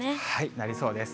なりそうです。